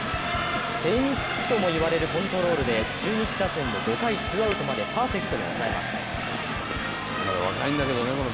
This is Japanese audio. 精密機器とも言われるコントロールで中日打線を５回ツーアウトまでパーフェクトに抑えます。